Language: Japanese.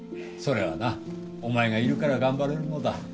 それはなお前がいるから頑張れるのだ。